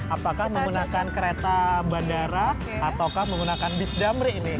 apakah menggunakan kereta bandara ataukah menggunakan bis damri ini